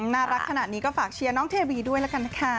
น่ารักขนาดนี้ก็ฝากเชียร์น้องเทวีด้วยแล้วกันนะคะ